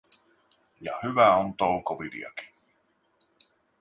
Ja hyvä on toukoviljakin.